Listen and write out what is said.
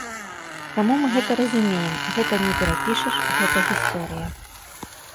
Таму мы гэта разумеем, гэта не перапішаш, гэта гісторыя.